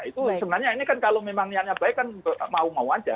itu sebenarnya ini kan kalau memang niatnya baik kan mau mau aja